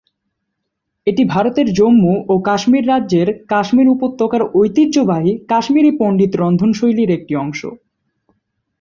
এটি ভারতের জম্মু ও কাশ্মীর রাজ্যের কাশ্মীর উপত্যকার ঐতিহ্যবাহী কাশ্মীরি পণ্ডিত রন্ধনশৈলীর একটি অংশ।